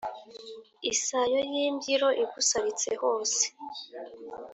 Isayo y’imbyiro igusaritse hose